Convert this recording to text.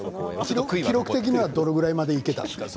記録的にはどのくらいまで言えたんですか？